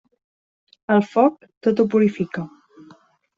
El foc, tot ho purifica.